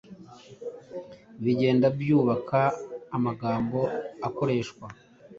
bigenda byubaka amagambo akoreshwa